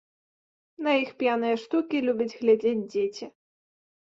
На іх п'яныя штукі любяць глядзець дзеці.